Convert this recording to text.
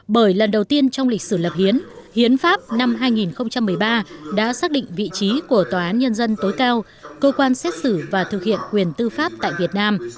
bởi lần đầu tiên trong lịch sử lập hiến hiến pháp năm hai nghìn một mươi ba đã xác định vị trí của tòa án nhân dân tối cao cơ quan xét xử và thực hiện quyền tư pháp tại việt nam